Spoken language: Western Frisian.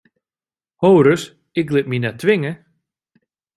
Ho ris, ik lit my net twinge!